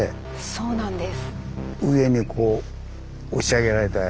そうなんです。